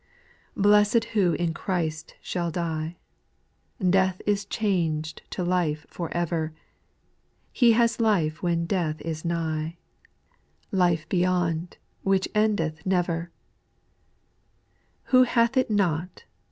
Blessed who in Christ shall die 1 Death is changed to life for ever ; He has life when death is nigh, Life beyond, which endeth never 1 Who hath it not.